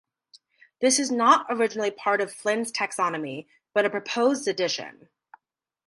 This is not originally part of Flynn's taxonomy but a proposed addition.